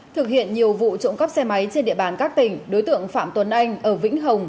thực hiện nhiều vụ trộm cắp xe máy trên địa bàn các tỉnh đối tượng phạm tuấn anh ở vĩnh hồng